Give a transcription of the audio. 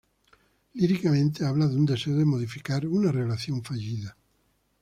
Líricamente, habla de un deseo de modificar una relación fallida.